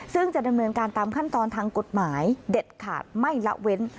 ซึ่งจะดำเนินการตามขั้นตอนทางกฎหมายเด็ดขาดไม่ละเว้น